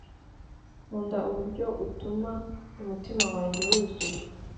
nkunda uburyo utuma umutima wanjye wuzuye